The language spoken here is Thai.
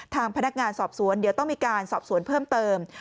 ทางพนักงานสอบสวนเดี๋ยวต้องมีการสอบสวนเพิ่มเติม